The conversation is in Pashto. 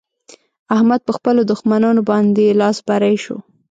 احمد په خپلو دښمانانو باندې لاس بری شو.